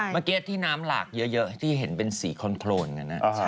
เมื่อกี้ที่น้ำหลากเยอะที่เห็นเป็นสีคอนโครนกัน